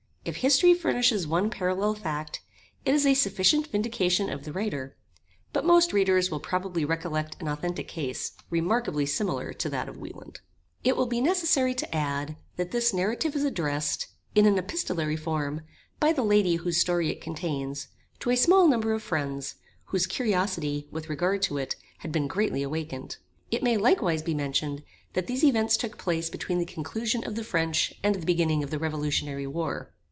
If history furnishes one parallel fact, it is a sufficient vindication of the Writer; but most readers will probably recollect an authentic case, remarkably similar to that of Wieland. It will be necessary to add, that this narrative is addressed, in an epistolary form, by the Lady whose story it contains, to a small number of friends, whose curiosity, with regard to it, had been greatly awakened. It may likewise be mentioned, that these events took place between the conclusion of the French and the beginning of the revolutionary war.